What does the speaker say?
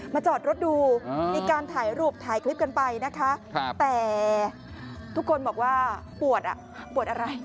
จอดรถดูมีการถ่ายรูปถ่ายคลิปกันไปนะคะแต่ทุกคนบอกว่าปวดอ่ะปวดปวดอะไร